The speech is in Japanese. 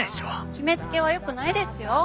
決め付けはよくないですよ。